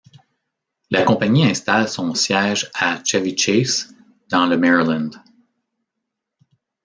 La compagnie installe son siège à Chevy Chase dans le Maryland.